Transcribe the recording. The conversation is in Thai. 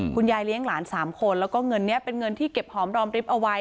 เลี้ยงหลาน๓คนแล้วก็เงินนี้เป็นเงินที่เก็บหอมรอมริบเอาไว้